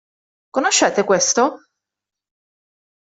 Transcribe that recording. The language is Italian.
Conoscete questo?